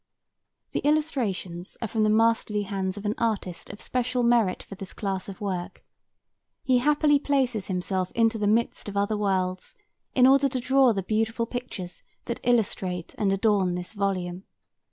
_ The illustrations are from the masterly hands of an artist of special merit for this class of work. He happily places himself into the midst of other worlds in order to draw the beautiful pictures that illustrate and adorn this volume.